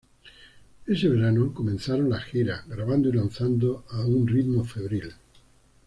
Ese verano comenzaron las giras, grabando y lanzando a un ritmo febril.